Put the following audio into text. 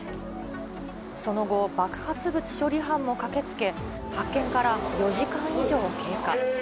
その後、爆発物処理班も駆けつけ、発見から４時間以上経過。